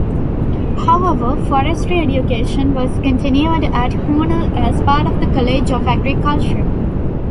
However, forestry education was continued at Cornell as part of the College of Agriculture.